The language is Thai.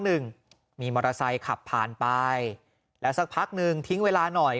หนึ่งมีมอเตอร์ไซค์ขับผ่านไปแล้วสักพักหนึ่งทิ้งเวลาหน่อย